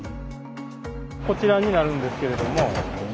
こちらになるんですけれども。